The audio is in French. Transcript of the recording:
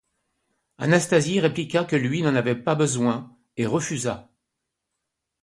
Anastasie répliqua que lui n'en avait pas besoin, et refusa.